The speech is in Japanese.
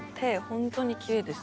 本当にきれいです。